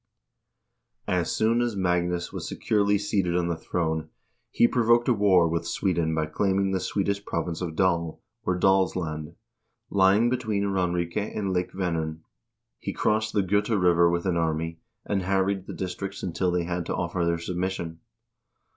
As soon as Magnus was securely seated on the throne, he provoked a war with Sweden by claiming the Swedish province of Dal, or Dalsland, lying between Ranrike and Lake Venern. He crossed the Gota River with an army, and harried the districts until they had to offer their submission.